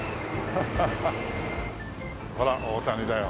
ほら大谷だよ。